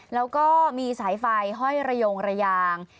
แล้วก็มีสายไฟห้อยระยงระยาง